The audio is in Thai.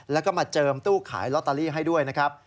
แล้วก็มาเจิมตู้ขายลอตเตอรี่ให้ด้วยนะครับ